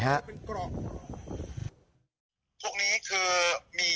ซาซิมี